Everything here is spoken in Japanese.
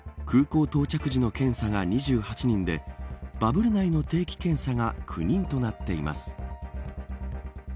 空港到着時の検査が２８人でバブル内の定期検査が９人となっています。